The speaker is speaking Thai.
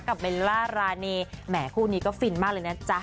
เบลล่ารานีแหมคู่นี้ก็ฟินมากเลยนะจ๊ะ